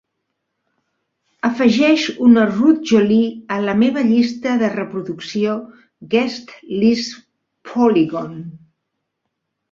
Afegeix una Ruud Jolie a la meva llista de reproducció Guest List Polygon